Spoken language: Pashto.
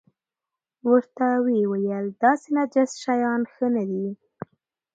ورته ویې ویل داسې نجس شیان ښه نه دي.